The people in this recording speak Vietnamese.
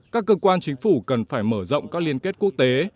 các cơ quan chính phủ cần phải mở rộng các liên kết quốc tế